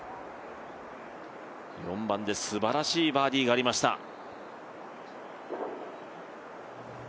４番ですばらしいバーディーがありました。